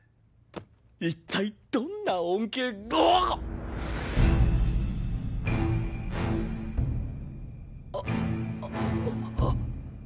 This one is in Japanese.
一体どんな恩恵が⁉あああっ。